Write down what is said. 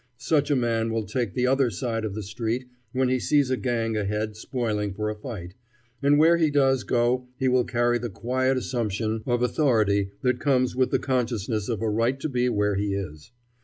Such a man will take the other side of the street when he sees a gang ahead spoiling for a fight, and where he does go he will carry the quiet assumption of authority that comes with the consciousness of a right to be where he is.